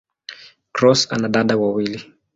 Cross ana dada wawili.